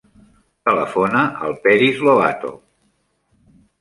Telefona al Peris Lobato.